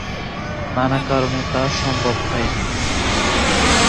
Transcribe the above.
নানা কারনে তা সম্ভব হয়নি।